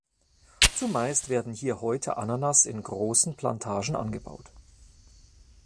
Zumeist werden hier heute Ananas in großen Plantagen angebaut.